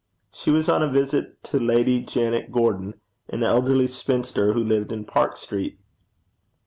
She was on a visit to Lady Janet Gordon, an elderly spinster, who lived in Park street.